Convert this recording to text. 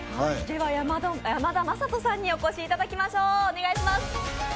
山田雅人にお越しいただきましょう。